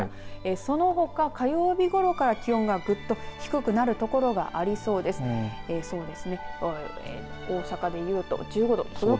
そのほか、火曜日ごろから気温がぐっと低くなる所がありそうです。